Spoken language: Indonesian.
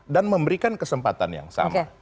dan memberikan kesempatan yang sama